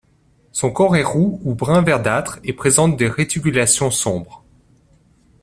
Son corps est roux ou brun verdâtre et présente des réticulations sombres.